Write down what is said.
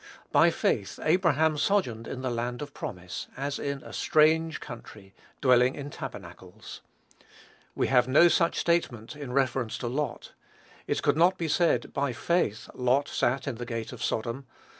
"By faith Abraham sojourned in the land of promise, as in a strange country, dwelling in tabernacles." We have no such statement in reference to Lot. It could not be said, "By faith Lot sat in the gate of Sodom."